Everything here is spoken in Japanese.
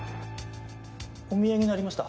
お見えになりました。